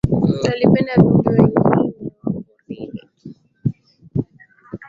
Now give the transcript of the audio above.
Alipenda viumbe wengine wa porini